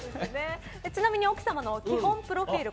ちなみに奥様の基本プロフィール